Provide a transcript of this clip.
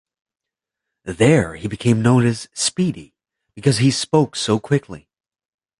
There he became known as 'Speedy', because he spoke so quickly.